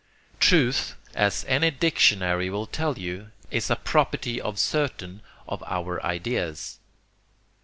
Truth, as any dictionary will tell you, is a property of certain of our ideas.